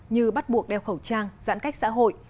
như bắt buộc đeo khẩu trang giãn cách xã hội